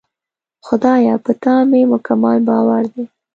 خدایه! په تا مې مکمل باور دی.